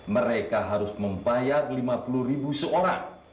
mereka harus membayar lima puluh ribu seorang